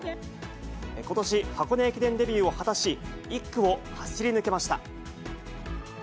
ことし、箱根駅伝デビューを果たし、１区を走り抜けました。